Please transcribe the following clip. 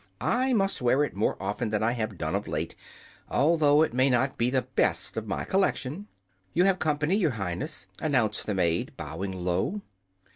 I must wear it more often than I have done of late, although it may not be the best of my collection." "You have company, Your Highness," announced the maid, bowing low.